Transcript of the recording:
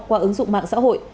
qua ứng dụng mạng xã hội